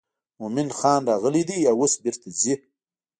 مومن خان راغلی دی او اوس بیرته ځي.